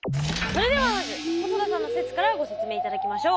それではまず細田さんの説からご説明いただきましょう。